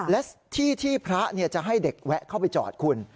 และที่ที่พระจะให้เด็กแวะเข้าไปจอดคุณ